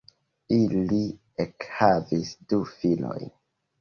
Ili ekhavis du filojn.